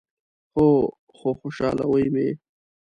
هو، خو خوشحالوي می